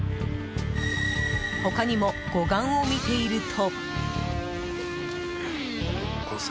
他にも護岸を見ていると。